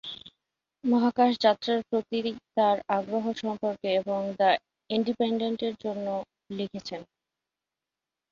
মহাকাশ যাত্রার প্রতি তার আগ্রহ সম্পর্কে এবং "দ্য ইনডিপেন্ডেন্টের"-এর জন্য লিখেছেন।